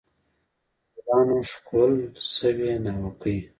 په ګلانو ښکلل سوې ناوکۍ